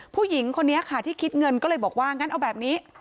ผู้หญิงคนนี้ค่ะที่คิดเงินก็เลยบอกว่างั้นเอาแบบนี้